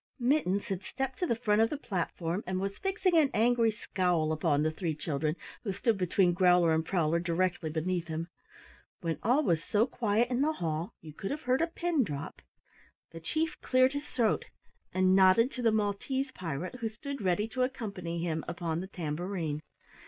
Mittens had stepped to the front of the platform and was fixing an angry scowl upon the three children who stood between Growler and Prowler directly beneath him. When all was so quiet in the hall you could have heard a pin drop, the Chief cleared his throat and nodded to the Maltese pirate who stood ready to accompany him upon the tambourine.